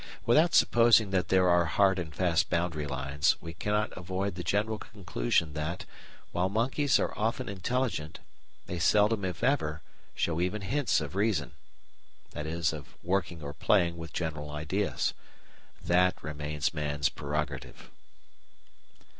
Without supposing that there are hard and fast boundary lines, we cannot avoid the general conclusion that, while monkeys are often intelligent, they seldom, if ever, show even hints of reason, i.e. of working or playing with general ideas. That remains Man's prerogative.